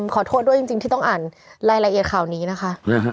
ขอโทษด้วยจริงที่ต้องอ่านรายละเอียดข่าวนี้นะคะ